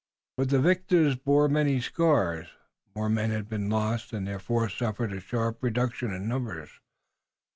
But the victors bore many scars. More men had been lost, and their force suffered a sharp reduction in numbers.